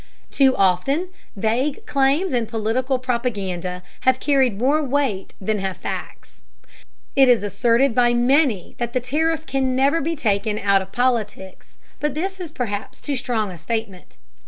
Too often, vague claims and political propaganda have carried more weight than have facts. It is asserted by many that the tariff can never be taken out of politics, but this is perhaps too strong a statement.